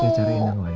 saya cari yang lain